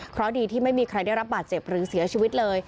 เพราะดีที่ไม่มีใครได้รับบาดเจ็บหรือเสียชีวิตเลย